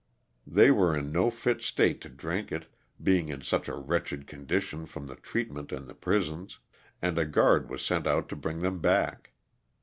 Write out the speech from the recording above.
They were in no fit state to drink it — being in such a wretched condition from the treatment in the prisons— and a guard was sent out to bring them back.